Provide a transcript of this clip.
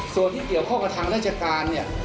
ส่วนที่เกี่ยวข้องกับทางราชการเนี่ย